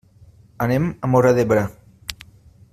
Anem a Móra d'Ebre.